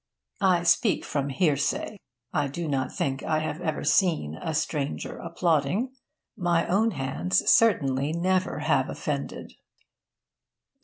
I speak from hearsay. I do not think I have ever seen a 'stranger' applauding. My own hands, certainly, never have offended.